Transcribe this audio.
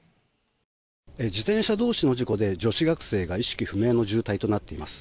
自転車同士の事故で女子学生が意識不明の重体となっています。